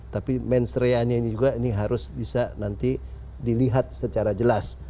tapi mensreanya ini juga ini harus bisa nanti dilihat secara jelas